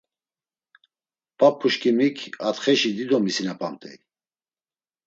P̌ap̌uşǩimik atxeşi dido misinapamt̆ey.